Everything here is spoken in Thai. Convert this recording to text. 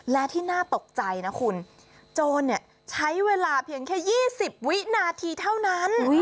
และที่น่าตกใจนะคุณโจรใช้เวลาเพียงแค่๒๐วินาทีเท่านั้น